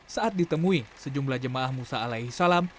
saat ditemui sejumlah jemaah musa alaihi salam